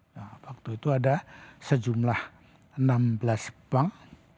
nah waktu itu ada sejumlah enam belas bank